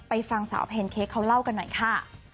เอาเป็นเค้กเค้าเล่ากันหน่อยค่ะ